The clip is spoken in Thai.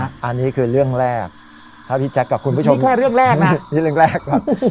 อันนี้คือเรื่องแรกถ้าพี่แจ๊คกับคุณผู้ชมแค่เรื่องแรกนะนี่เรื่องแรกก่อน